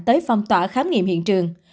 tới phong tỏa khám nghiệm hiện trường